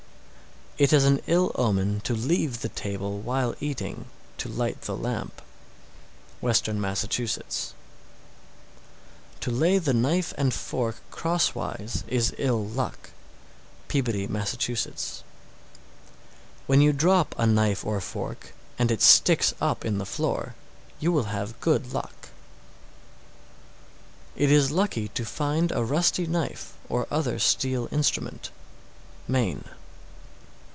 690. It is an ill omen to leave the table while eating, to light the lamp. Western Massachusetts. 691. To lay the knife and fork crosswise is ill luck. Peabody, Mass. 692. When you drop a knife or fork, and it sticks up in the floor, you will have good luck. 693. It is lucky to find a rusty knife or other steel instrument. _Maine.